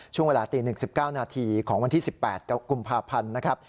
ช่วงเวลาตี๑๙นาทีของวันที่๑๘กุมภาพันธ์นะครับ